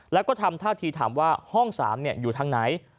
แล้วก็ทำท่าทีถามว่าห้อง๓อยู่ทางไหน